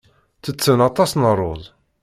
Ttetten aṭas n ṛṛuz.